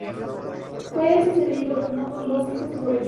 Fue sucedido no por sus hijos sino por su yerno, Andrónico.